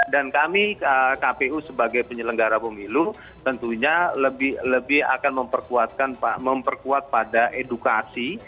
dan kami kpu sebagai penyelenggara pemilu tentunya lebih akan memperkuatkan memperkuat pada edukasi